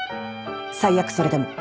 最悪それでも。